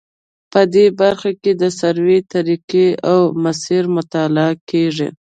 په دې برخه کې د سروې طریقې او مسیر مطالعه کیږي